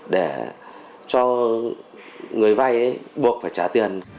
để cho người vay buộc phải trả tiền